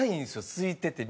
すいてて。